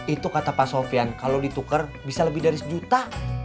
itu kata pak sofian kalau ditukar bisa lebih dari sejuta